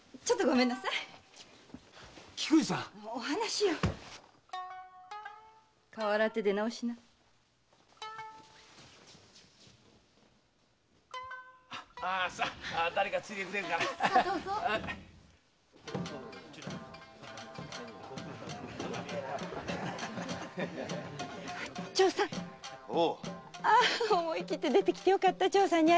思い切って出てきてよかった長さんに会えるなんて。